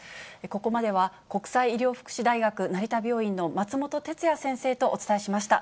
ここまでは、国際医療福祉大学成田病院の松本哲哉先生とお伝えしました。